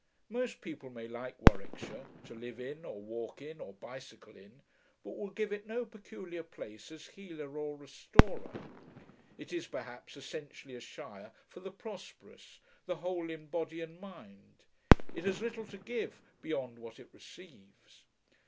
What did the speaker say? Most people may like Warwickshire, to live in or walk in or bicycle in, but will give it no peculiar place as healer or restorer. It is, perhaps, essentially a shire for the prosperous, the whole in body and mind; it has little to give, beyond what it receives.